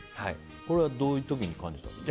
これはどういった時に感じたんですか？